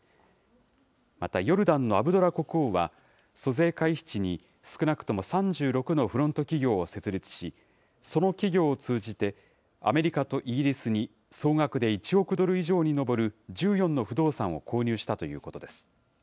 また、ヨルダンのアブドラ国王は、租税回避地に少なくとも３６のフロント企業を設立し、その企業を通じて、アメリカとイギリスに総額で１億ドル以上に上る１４の不動産を購入したということです。